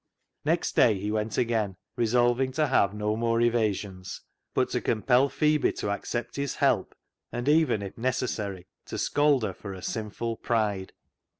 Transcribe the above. Next day he went again, resolving to have no more evasions, but to compel Phebe to accept his help, and even if necessary to scold her for her sinful pride.